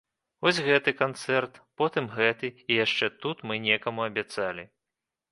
Вось гэты канцэрт, потым гэты, і яшчэ тут мы некаму абяцалі.